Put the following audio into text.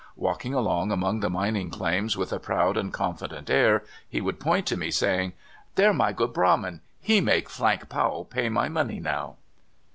Walking along among the mining claims, with a proud and coniident air he would point to me, saying: " There my good brahmin — he make Flank Powell pay my money now."